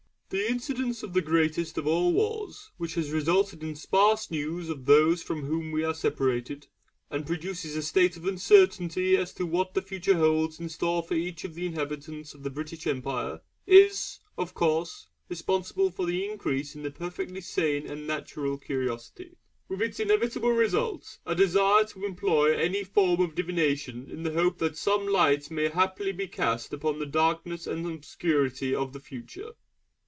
The incidence of the greatest of all wars, which has resulted in sparse news of those from whom they are separated, and produces a state of uncertainty as to what the future holds in store for each of the inhabitants of the British Empire, is, of course, responsible for this increase in a perfectly sane and natural curiosity; with its inevitable result, a desire to employ any form of divination in the hope that some light may haply be cast upon the darkness and obscurity of the future.